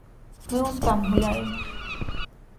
Ми он там гуляємо.